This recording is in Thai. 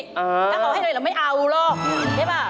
ถ้าเขาให้เลยเราไม่เอาหรอกใช่ป่ะ